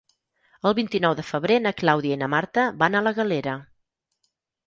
El vint-i-nou de febrer na Clàudia i na Marta van a la Galera.